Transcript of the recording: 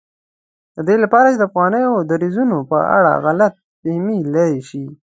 د دې لپاره چې د پخوانیو دریځونو په اړه غلط فهمي لرې شي.